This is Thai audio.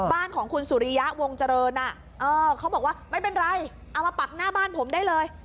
บ้านของคุณสุริยะวงเจริญเขาบอกว่าไม่เป็นไรเอามาปักหน้าบ้านผมได้เลย